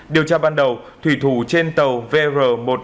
điều tra ban đầu thủy thủ trên tàu vr một trăm năm mươi nghìn ba trăm linh sáu